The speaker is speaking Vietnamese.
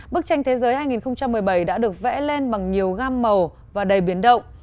bức tranh thế giới hai nghìn một mươi bảy đã được vẽ lên bằng nhiều gam màu và đầy biến động